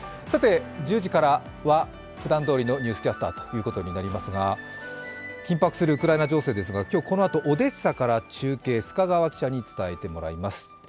さて、１０時からはふだんどおりの「ニュースキャスター」ということになりますが緊迫するウクライナ情勢ですが、今日、このあとオデッサから中継、須賀川記者に伝えてもらいます。